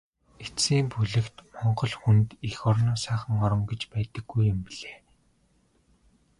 Эцсийн бүлэгт Монгол хүнд эх орноос сайхан орон гэж байдаггүй юм билээ.